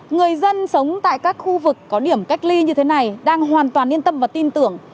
người dân sống tại các khu vực có điểm cách ly như thế này đang hoàn toàn yên tâm và tin tưởng